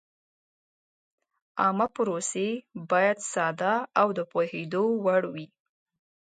عامه پروسې باید ساده او د پوهېدو وړ وي.